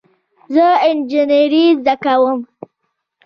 زه انجینری زده کوم